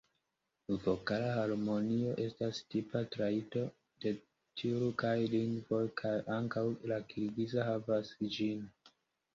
Vokala harmonio estas tipa trajto de tjurkaj lingvoj, kaj ankaŭ la kirgiza havas ĝin.